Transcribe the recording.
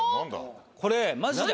これマジで。